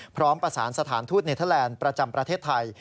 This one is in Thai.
พร้อมประสานสถานทูตเนเทอร์แลนด์ประจำประเทศไทย